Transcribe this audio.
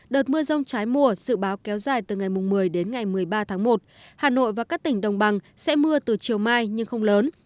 đợt mưa rông trái mùa dự báo kéo dài từ ngày một mươi đến ngày một mươi ba tháng một hà nội và các tỉnh đồng bằng sẽ mưa từ chiều mai nhưng không lớn